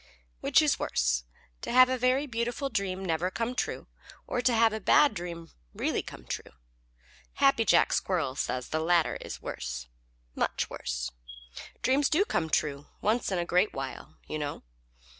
_ Which is worse, to have a very beautiful dream never come true, or to have a bad dream really come true? Happy Jack Squirrel says the latter is worse, much worse. Dreams do come true once in a great while, you know.